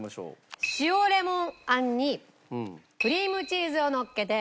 塩レモンあんにクリームチーズをのっけて。